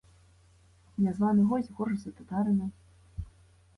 Нязваны госць горш за татарына.